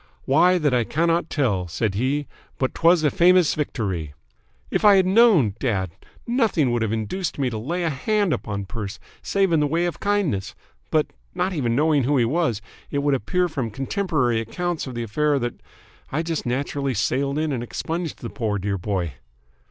'Why, that I cannot tell,' said he, 'but 'twas a famous victory!' If I had known, dad, nothing would have induced me to lay a hand upon Perce, save in the way of kindness, but, not even knowing who he was, it would appear from contemporary accounts of the affair that I just naturally sailed in and expunged the poor, dear boy!"